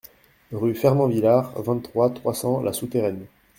Rue Fernand Villard, vingt-trois, trois cents La Souterraine